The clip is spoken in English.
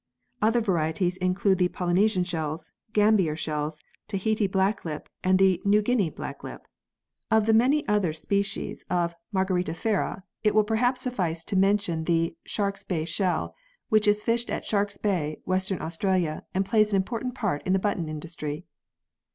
Other varieties include the " Poly nesian shells," "Gambier shells," "Tahite Black lip," and the "New Guinea Black lip." 14 PEARLS [CH. Of the many other species 1 of Margaritifera it will perhaps suffice to mention the " Sharks Bay shell," which is fished at Sharks Bay, Western Australia, and plays an important part in the button industry.